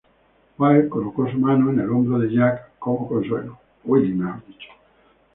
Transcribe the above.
Willie coloca su mano en el hombro de Jack como consuelo.